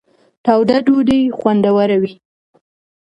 توده ډوډۍ خوندوره وي.